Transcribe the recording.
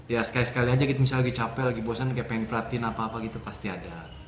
ya sekali sekali aja gitu misalnya lagi capek lagi bosan kayak pengen perhatiin apa apa gitu pasti ada